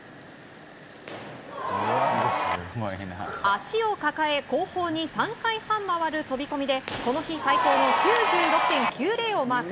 足を抱え後方に３回半回る飛び込みでこの日最高の９６．９０をマーク。